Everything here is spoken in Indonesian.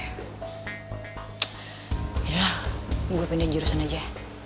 yaudahlah gue pindah jurusan aja